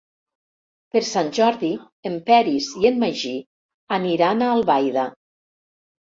Per Sant Jordi en Peris i en Magí aniran a Albaida.